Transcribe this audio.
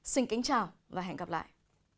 xin kính chào và hẹn gặp lại